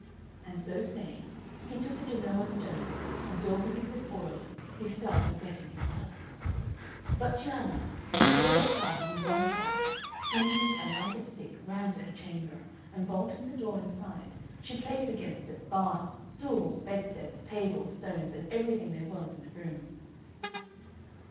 And so saying he took a Genoa stone, and daubing it with oil he fell to whetting his tusks. But Cianna, who saw the cart on a wrong track, seizing a lighted stick ran to her chamber; and bolting the door inside, she placed against it bars, stools, bedsteads, tables, stones, and everything there was in the room.